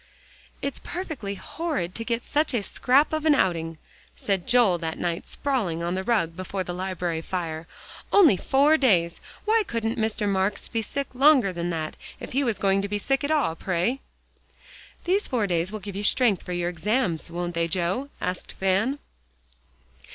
"It's perfectly horrid to get such a scrap of an outing," said Joel that night, sprawling on the rug before the library fire, "only four days! Why couldn't Mr. Marks be sick longer than that, if he was going to be sick at all, pray?" "These four days will give you strength for your 'exams,' won't they, Joe?" asked Van.